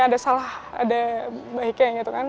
ada salah ada baiknya gitu kan